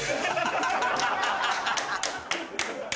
ハハハハ！